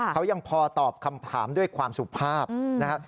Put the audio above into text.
เขายังพอตอบคำถามด้วยความสุภาพนะฮะ